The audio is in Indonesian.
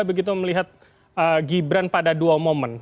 begitu melihat gibran pada dua momen